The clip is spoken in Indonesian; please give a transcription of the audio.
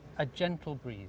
udara yang lembut